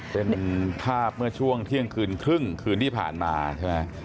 เป็นภาพเมื่อช่วงเที่ยงคืนครึ่งคืนที่ผ่านมาใช่ไหม